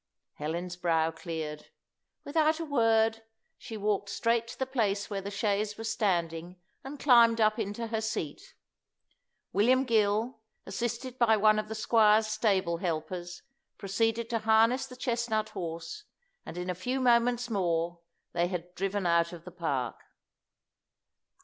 Helen's brow cleared. Without a word she walked straight to the place where the chaise was standing, and climbed up into her seat. William Gill, assisted by one of the squire's stable helpers, proceeded to harness the chestnut horse, and in a few moments more they had driven out of the park.